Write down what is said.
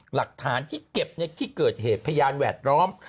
หลักฐานที่เก็บในที่เกิดเหตุพยานแวดล้อม